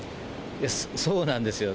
そうなんですよ。